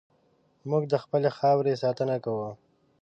موږ د خپلې خاورې ساتنه کوو.